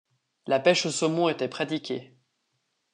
La pêche au saumon était pratiquée.